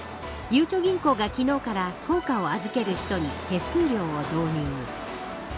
ゆうちょ銀行が昨日から硬貨を預ける人に手数料を導入。